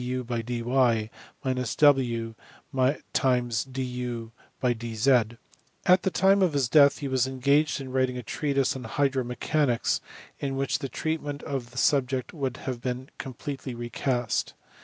p ax at ax dy dz At the time of his death he was engaged in writing a treatise on hydromechanics in which the treatment of the subject would have been completely recast.